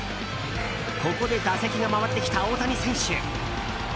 ここで打席が回ってきた大谷選手。